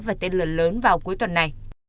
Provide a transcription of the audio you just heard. và tên lửa lớn vào cuối tuần này